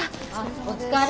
お疲れ。